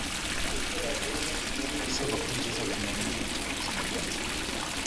isabukuru nziza kumuntu umurikira ubuzima bwanjye